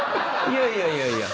いやいやいやいや。